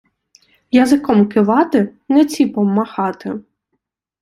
Язиком кивати, не ціпом махати.